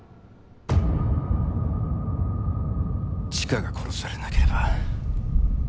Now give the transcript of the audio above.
チカが殺されなければ。